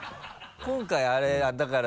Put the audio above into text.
今回あれだからその。